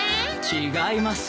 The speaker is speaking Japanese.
違います。